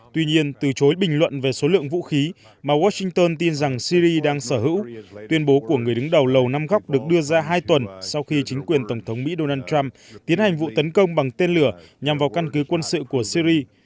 tuy nhiên từ chối bình luận về số lượng vũ khí mà washington tin rằng syri đang sở hữu tuyên bố của người đứng đầu lầu năm góc được đưa ra hai tuần sau khi chính quyền tổng thống mỹ donald trump tiến hành vụ tấn công bằng tên lửa nhằm vào căn cứ quân sự của syri